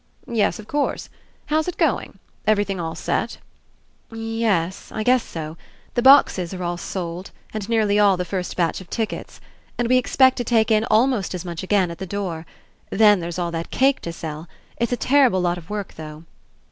"Yes, of course. How's it going? Every thing all set?" "Ye es. I guess so. The boxes are all 98 RE ENCOUNTER sold and nearly all the first batch of tickets. And we expect to take in almost as much again at the door. Then, there's all that cake to sell. It's a terrible lot of work, though."